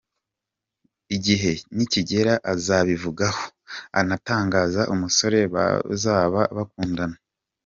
com ko igihe nikigera azabivugaho akanatangaza umusore bazaba bakundana.